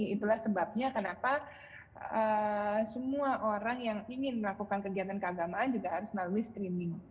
itulah sebabnya kenapa semua orang yang ingin melakukan kegiatan keagamaan juga harus melalui screening